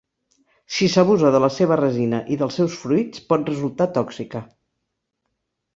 Si s'abusa de la seva resina i dels seus fruits pot resultar tòxica.